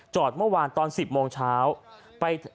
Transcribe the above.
จอดเมื่อวานตอน๑๐โมงเช้า